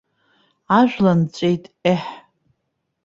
Ажәланҵәеит, ееҳ!